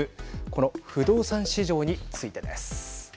この不動産市場についてです。